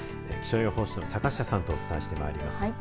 気象予報士の坂下さんとお伝えしてまいります。